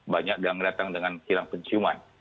banyak yang datang dengan hilang penciuman